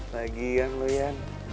lagian lu yan